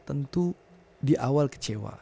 tentu di awal kecewa